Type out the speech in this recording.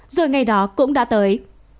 rồi ngay đó cũng đã tới